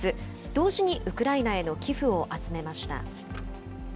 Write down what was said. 同時にウクライナへの寄付を集めました。